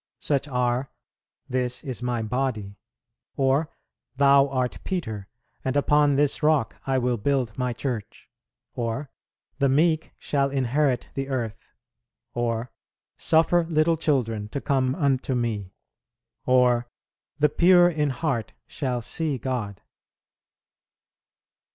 Such are, "This is My Body," or "Thou art Peter, and upon this Rock I will build My Church," or "The meek shall inherit the earth," or "Suffer little children to come unto Me," or "The pure in heart shall see God."